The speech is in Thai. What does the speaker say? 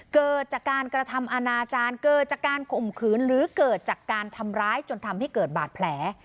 เกิดจากการกระทำอนาจารย์เกิดจากการข่มขืนหรือเกิดจากการทำร้ายจนทำให้เกิดบาดแผล